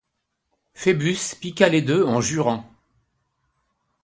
Phœbus piqua des deux en jurant.